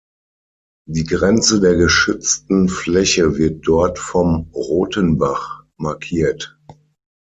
Die Grenze der geschützten Fläche wird dort vom Rothenbach markiert.